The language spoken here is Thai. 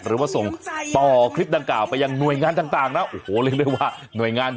หรือว่าส่งต่อคลิปดังกล่าวไปยังหน่วยงานต่างนะโอ้โหเรียกได้ว่าหน่วยงาน